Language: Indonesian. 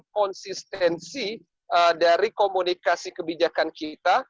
konsistensi dari komunikasi kebijakan kita